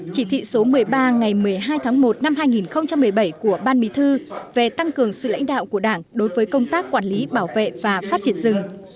chỉ thị số một mươi ba ngày một mươi hai tháng một năm hai nghìn một mươi bảy của ban bí thư về tăng cường sự lãnh đạo của đảng đối với công tác quản lý bảo vệ và phát triển rừng